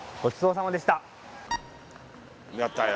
やったよ。